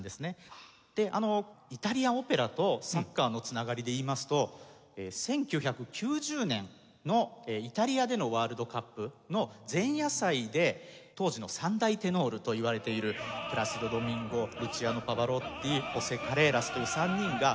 でイタリアオペラとサッカーの繋がりでいいますと１９９０年のイタリアでのワールドカップの前夜祭で当時の三大テノールといわれているプラシド・ドミンゴルチアーノ・パヴァロッティホセ・カレーラスという３人が。